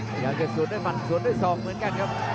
พยายามจะสูดให้มันสูดให้สองเหมือนกันครับ